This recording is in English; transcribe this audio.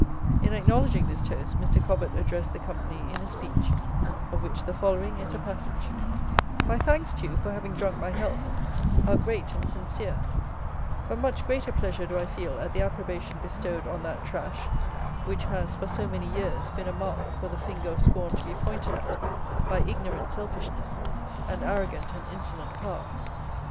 In acknowledging this toast Mr. Cobbett addressed the company in a speech, of which the following is a passage:] "My thanks to you for having drunk my health, are great and sincere; but much greater pleasure do I feel at the approbation bestowed on that Trash, which has, for so many years been a mark for the finger of scorn to be pointed at by ignorant selfishness and arrogant and insolent power.